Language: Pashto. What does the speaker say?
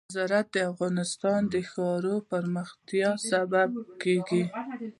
زراعت د افغانستان د ښاري پراختیا سبب کېږي.